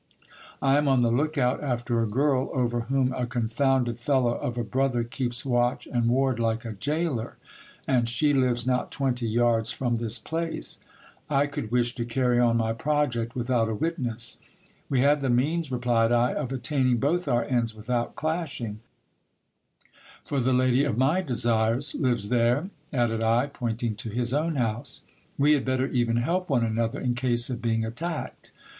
I am on the look out after a girl, over whom a confounded fellow of a brother keeps watch and ward like a gaoler ; and she lives not twenty yards from this place. I could wish to cam on my project without a witness. We have the means, replied I, of attaining both our ends without clashing ; for the lady of my desires lives there, added I, pointing to his own house. We had better even help one another, in case of being attacked.